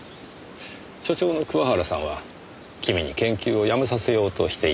所長の桑原さんは君に研究を止めさせようとしていた。